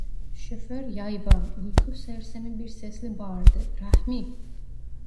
Şoför yayvan, uyku sersemi bir sesle bağırdı: "Rahmi!"